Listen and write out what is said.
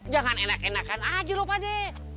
jangan enak enakan aja lu pade